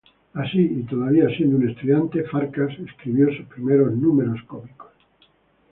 Así, y todavía siendo un estudiante, Farkas escribió sus primeros números cómicos.